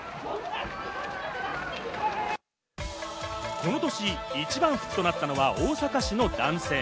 この年、一番福となったのは大阪市の男性。